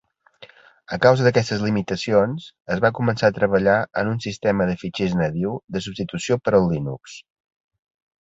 A causa d'aquestes limitacions, es va començar a treballar en un sistema de fitxers nadiu de substitució per al Linux.